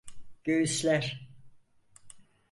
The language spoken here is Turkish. Göğüsler…